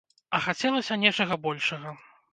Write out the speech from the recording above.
А хацелася нечага большага.